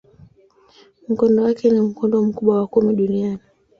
Mkondo wake ni mkondo mkubwa wa kumi duniani.